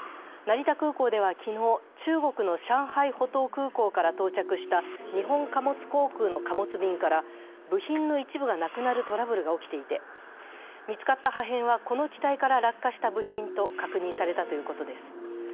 成田空港では昨日、中国の上海浦東空港から到着した日本貨物航空の貨物便から部品の一部がなくなるトラブルが起きていて見つかった破片は、この期待から落下した部品と確認されたということです。